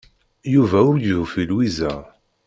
Yuba ur d-yufi Lwiza.